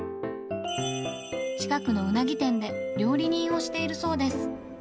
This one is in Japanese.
近くのうなぎ店で料理人をしているそうです。